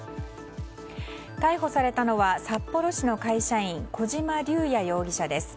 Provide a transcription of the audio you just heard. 逮捕されたのは、札幌市の会社員小島隆也容疑者です。